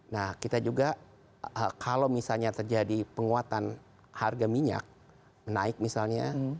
nah kita juga kalau misalnya terjadi penguatan harga minyak menaik misalnya